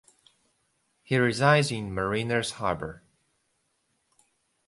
He resides in Mariners Harbor.